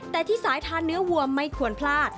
แต่ที่สายทานเนื้อวัวไม่ควรพลาด